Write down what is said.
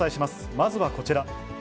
まずはこちら。